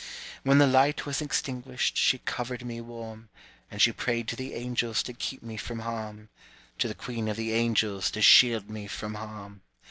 When the light was extinguished, She covered me warm, And she prayed to the angels To keep me from harm, To the queen of the angels To shield me from harm.